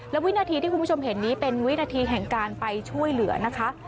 และวินาทีที่คุณผู้ชมเห็นนี้เป็นวินาทีแห่งการไปช่วยเหลือนะคะ